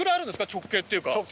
直径っていうか。